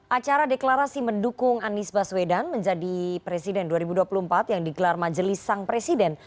acara deklarasi mendukung anies baswedan menjadi presiden dua ribu dua puluh empat yang digelar majelis sang presiden